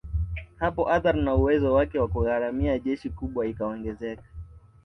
Hapo athari na uwezo wake wa kugharamia jeshi kubwa ikaongezeka